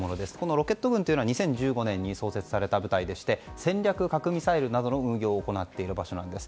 ロケット軍というのは２０１５年に創設された部隊で戦略核ミサイルなどの運用を行っている場所です。